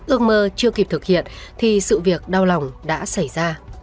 ước mơ chưa kịp thực hiện thì sự việc đau lòng đã xảy ra